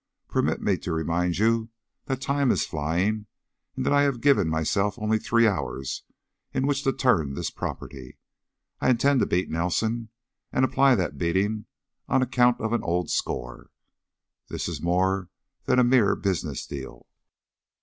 Permit me to remind you that time is flying and that I have given myself only three hours in which to turn this property. I intend to beat Nelson, and apply that beating on account of an old score. This is more than a mere business deal."